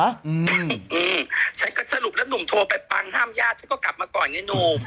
อืมฉันก็สรุปแล้วหนุ่มโทรไปปังห้ามญาติฉันก็กลับมาก่อนไงหนู